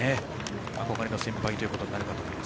憧れの先輩ということになると思います。